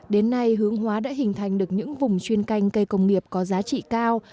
đến nay hướng hóa đã hình thành được những vùng chuyên canh cây công nghiệp có giá trị cao